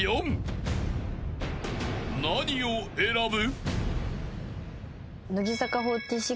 ［何を選ぶ？］